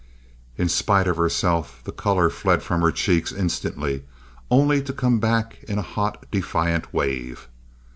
In spite of herself the color fled from her cheeks instantly, only to come back in a hot, defiant wave.